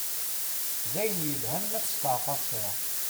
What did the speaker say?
D ayen yelhan ma testeɛfaḍ kra.